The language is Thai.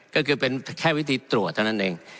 ก็คือเป็นแค่วิธีตรวจเท่านั้นเอง